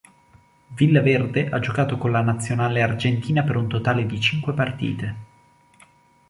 Villaverde ha giocato con la Nazionale argentina per un totale di cinque partite.